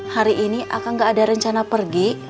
hari ini akan gak ada rencana pergi